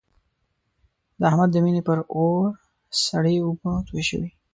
د احمد د مینې پر اور سړې اوبه توی شوې.